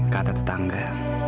kau suka sama saya